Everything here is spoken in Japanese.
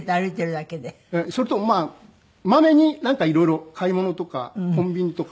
それとまあまめになんかいろいろ買い物とかコンビニとか。